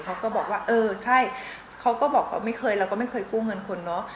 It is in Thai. เขาก็บอกว่าเออใช่เขาก็บอกว่าไม่เคยเราก็ไม่เคยกู้เงินคนเนอะ